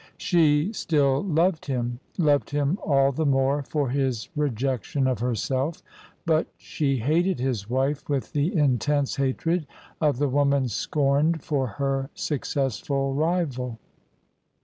She still loved him — loved him all the more for his rejection of herself: but she hated his wife with the intense hatred of the woman scorned for her successful rival.